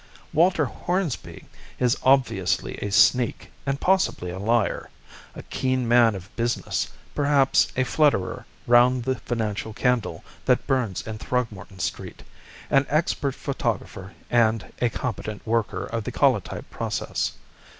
"Walter Hornby is obviously a sneak and possibly a liar; a keen man of business, perhaps a flutterer round the financial candle that burns in Throgmorton Street; an expert photographer and a competent worker of the collotype process.